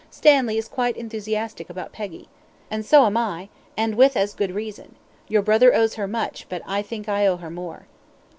"Stanley is quite enthusiastic about Peggy." "And so am I, and with as good reason. Your brother owes her much, but I think I owe her more."